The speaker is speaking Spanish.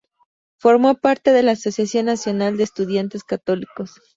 Formó parte de la Asociación Nacional de Estudiantes Católicos.